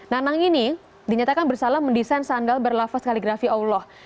nanang ini dinyatakan bersalah mendesain sandal berlafas kaligrafi allah